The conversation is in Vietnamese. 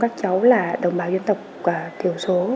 các cháu là đồng bào dân tộc tiểu số